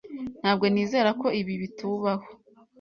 Ntabwo nizera ko ibi bitubaho.